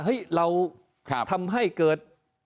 เราทำให้เกิด